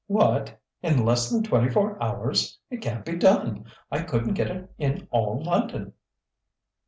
"What? In less than twenty four hours? It can't be done. I couldn't get it in all London."